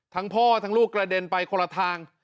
ทั้งพ่อทั้งลูกกระเด็นไปคนละทาง